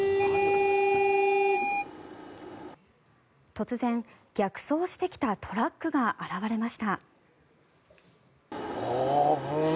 突然、逆走してきたトラックが現れました。